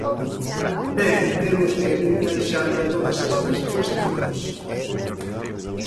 Ben, temos que ir encaixando todas estas cuestións.